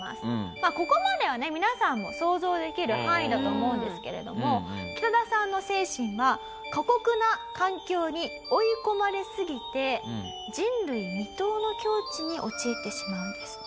まあここまではね皆さんも想像できる範囲だと思うんですけれどもキタダさんの精神は過酷な環境に追い込まれすぎて人類未踏の境地に陥ってしまうんです。